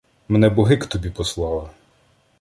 Мене боги к тобі послали